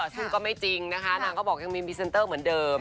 ซึ่งก็ไม่จริงนะคะนางก็บอกยังมีพรีเซนเตอร์เหมือนเดิม